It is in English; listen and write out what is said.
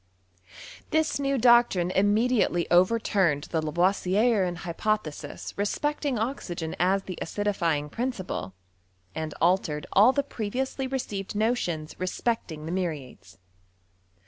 This new doctrine immediately overturned the Lavoisierian hypothesis respecting oxygen as the acidifying prin ci|iie, and altered ail the previously received notions cespecting l^e muriates.